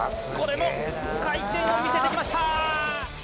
これも回転を見せてきました！